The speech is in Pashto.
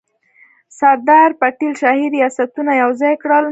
سردار پټیل شاهي ریاستونه یوځای کړل.